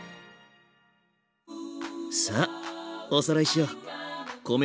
さあおさらいしよう。